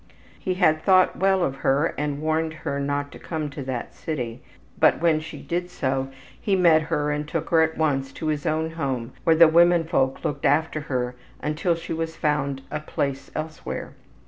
He had thought well of her and warned her not to come to that city, but when she did so he met her and took her at once to his own home where the womenfolk looked after her until she was found a place elsewhere.